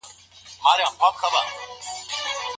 فعالیت د زده کړي ترټولو ښه نښه ده.